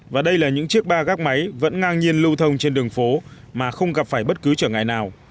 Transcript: và đây là những chiếc ba gác máy vẫn ngang nhiên lưu thông trên đường phố mà không gặp phải bất cứ trở ngại nào